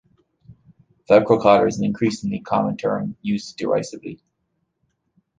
Velcro collar is an increasingly common term, used derisively.